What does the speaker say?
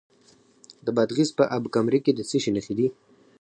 د بادغیس په اب کمري کې د څه شي نښې دي؟